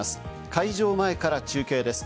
会場前から中継です。